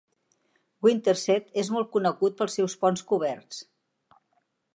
Winterset és molt conegut pels seus ponts coberts.